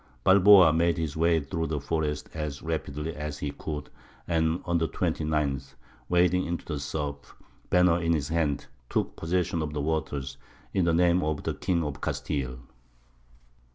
Balboa made his way through the forests as rapidly as he could, and on the 29th, wading into the surf, banner in hand, took possession of the waters in the name of the King of Castile.